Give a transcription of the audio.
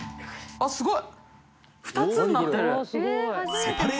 あっすごい！